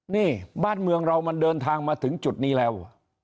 นี่บ้านเมืองเรามันเดินทางมาถึงจุดนี้แล้ว